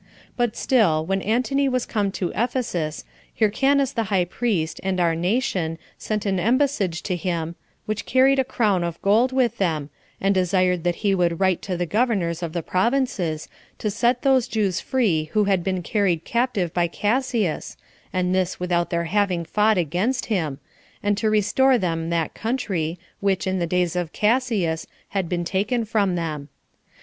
But still, when Antony was come to Ephesus, Hyrcanus the high priest, and our nation, sent an embassage to him, which carried a crown of gold with them, and desired that he would write to the governors of the provinces, to set those Jews free who had been carried captive by Cassius, and this without their having fought against him, and to restore them that country, which, in the days of Cassius, had been taken from them.